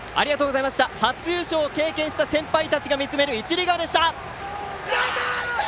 初優勝を経験した先輩たちが見つめる一塁側でした。